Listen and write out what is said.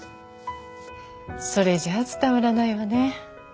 それじゃ伝わらないわね。